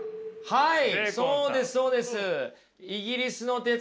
はい。